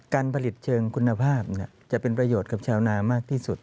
การผลิตเชิงคุณภาพจะเป็นประโยชน์กับชาวนามากที่สุด